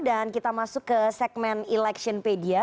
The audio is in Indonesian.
dan kita masuk ke segmen electionpedia